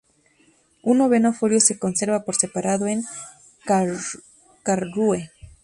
Un noveno folio se conserva por separado en Karlsruhe.